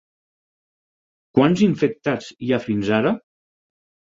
Quants infectats hi ha fins ara?